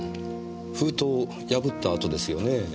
封筒を破ったあとですよねぇ。